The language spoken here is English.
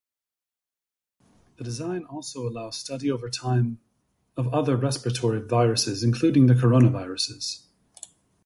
The design also allows study over time of other respiratory viruses including the coronaviruses.